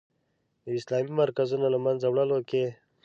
د اسلامي مرکزونو له منځه وړلو کې.